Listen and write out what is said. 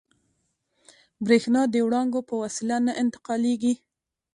برېښنا د وړانګو په وسیله نه انتقالېږي.